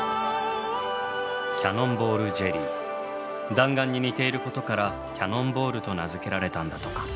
弾丸に似ていることからキャノンボールと名付けられたんだとか。